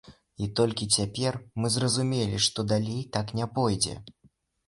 І толькі цяпер мы зразумелі, што далей так не пойдзе.